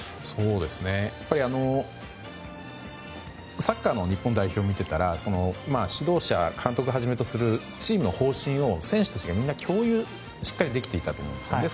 やっぱりサッカーの日本代表を見ていたら指導者、監督はじめとするチームの方針を選手たちが、みんなしっかりと共有できていたと思うんです。